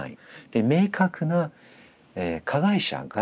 で明確な加害者がある。